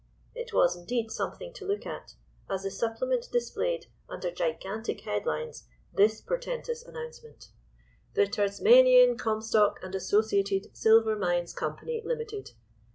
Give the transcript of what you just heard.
It was, indeed, something to look at, as the supplement displayed under gigantic headlines this portentous announcement— "THE TASMANIAN COMSTOCK AND ASSOCIATED SILVER MINES COMPANY, LIMITED.